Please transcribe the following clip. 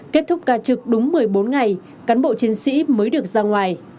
kết thúc ca trực đúng một mươi bốn ngày cán bộ chiến sĩ mới được ra ngoài